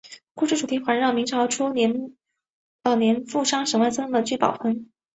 故事主题环绕明朝初年富商沈万三的聚宝盆。